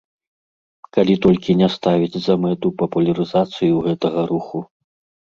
Калі толькі не ставіць за мэту папулярызацыю гэтага руху.